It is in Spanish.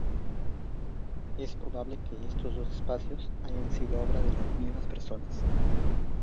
Es probable que estos dos espacios hayan sido obra de las mismas personas.